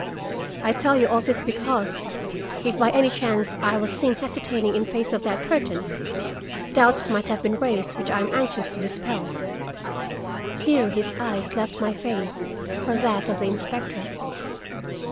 I tell you all this because, if by any chance I was seen hesitating in face of that curtain, doubts might have been raised which I am anxious to dispel." Here his eyes left my face for that of the inspector.